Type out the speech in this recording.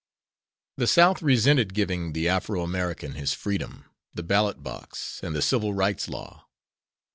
The South resented giving the Afro American his freedom, the ballot box and the Civil Rights Law.